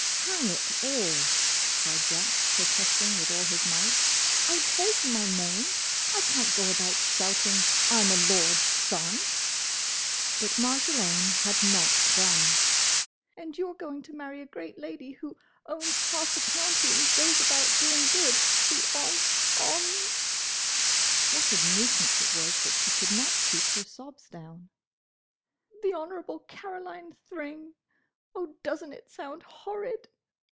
"Hang it all!" cried Jack, protesting with all his might, "I told you my name! I can't go about shouting I 'm a lord's son!" But Marjolaine had not done. "And you 're going to marry a great lady who owns half a county and goes about doing good. The Hon—Hon—" what a nuisance it was that she could not keep her sobs down!—"the Honourable Caroline Thring!—Oh, does n't it sound horrid!"